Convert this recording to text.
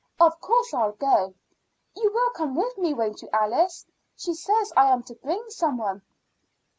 Of course I'll go. You will come with me, won't you, Alice? She says I am to bring some one."